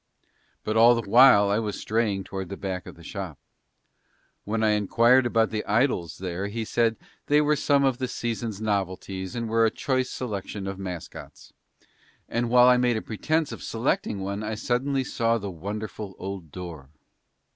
But all the while I was straying towards the back of the shop. When I enquired about the idols there he said that they were some of the season's novelties and were a choice selection of mascots; and while I made a pretence of selecting one I suddenly saw the wonderful old door.